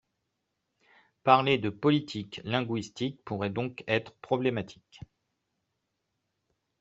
Parler de, politique linguistique, pourrait donc être problématique.